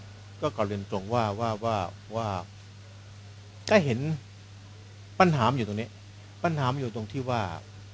นี่เนี้ยก็ขอเรียนตรงว่าว่าว่าว่าว่า